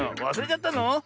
わすれちゃったの？